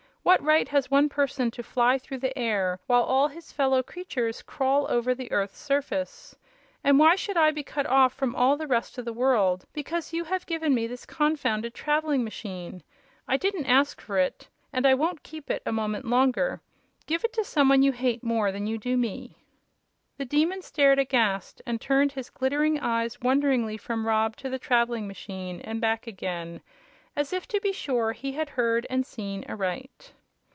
"What right has one person to fly through the air while all his fellow creatures crawl over the earth's surface? And why should I be cut off from all the rest of the world because you have given me this confounded traveling machine? I didn't ask for it, and I won't keep it a moment longer. Give it to some one you hate more than you do me!" The Demon stared aghast and turned his glittering eyes wonderingly from Rob to the traveling machine and back again, as if to be sure he had heard and seen aright.